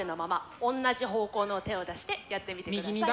おんなじ方向の手を出してやってみてください。